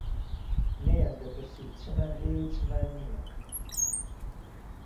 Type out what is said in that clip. نەیان دەپرسی چمان هەیە و چمان نییە